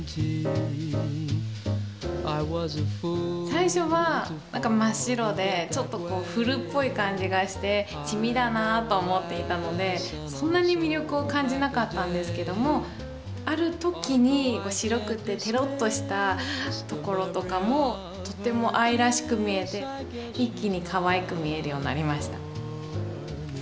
最初は何か真っ白でちょっとこう古っぽい感じがして地味だなと思っていたのでそんなに魅力を感じなかったんですけどもある時に白くてテロッとしたところとかもとても愛らしく見えて一気にかわいく見えるようになりました。